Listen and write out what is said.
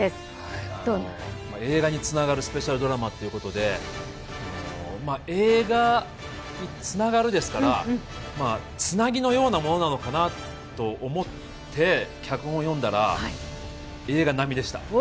映画につながるスペシャルドラマということで、映画につながるですからつなぎのようなものなのかなと思って、脚本を読んだら、映画並みでした。